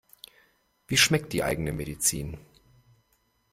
Wie schmeckt die eigene Medizin?